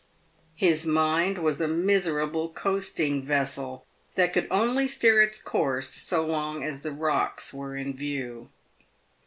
His mind was a miserable coasting vessel, that could only steer its course so long as the rocks were in view.